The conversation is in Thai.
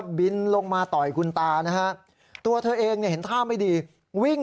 แล้วก็บินลงมาต่อคุณตานะฮะตัวเธอเองหนิถ้าไม่ดีวิ่ง